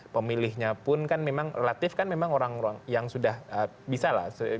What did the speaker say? pemilihnya pun kan memang relatif kan memang orang orang yang sudah bisa lah